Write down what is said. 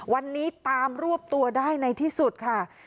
วันนี้ตามรวบตัวได้ในที่สุดค่ะ